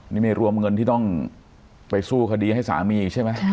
นี่ไม่รวมเงินที่ต้องไปสู้คดีให้สามีอีกใช่ไหม